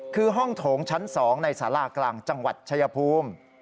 คือห้องโถงชั้น๒ในสารากลางจังหวัดชายภูมิ